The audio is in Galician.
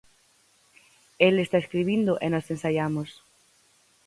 El está escribindo e nós ensaiamos.